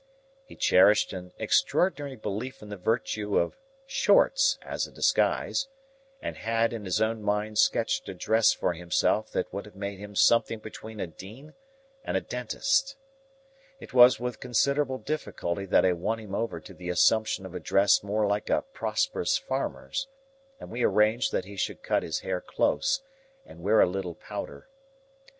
He cherished an extraordinary belief in the virtues of "shorts" as a disguise, and had in his own mind sketched a dress for himself that would have made him something between a dean and a dentist. It was with considerable difficulty that I won him over to the assumption of a dress more like a prosperous farmer's; and we arranged that he should cut his hair close, and wear a little powder.